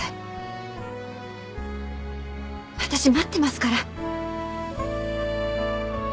私待ってますから！